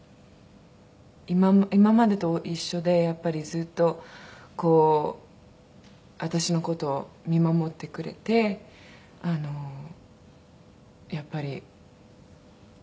今までと一緒でやっぱりずっとこう私の事を見守ってくれてあのやっぱり優しい。